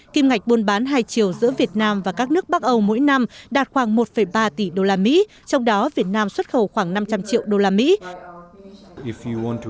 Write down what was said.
kim ngạch buôn bán hai triệu giữa việt nam và các nước bắc âu mỗi năm đạt khoảng một ba tỷ usd trong đó việt nam xuất khẩu khoảng năm trăm linh triệu đô la mỹ